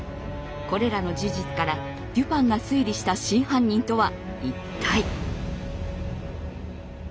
これらの事実からデュパンが推理した真犯人とは一体。